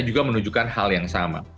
juga menunjukkan hal yang sama